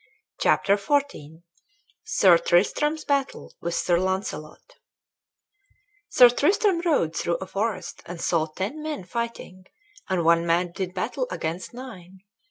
CHAPTER XIV SIR TRISTRAM'S BATTLE WITH SIR LAUNCELOT Sir Tristram rode through a forest and saw ten men fighting, and one man did battle against nine.